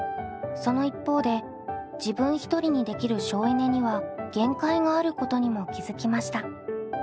その一方で自分一人にできる省エネには限界があることにも気付きました。